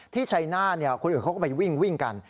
ชัยหน้าคนอื่นเขาก็ไปวิ่งกัน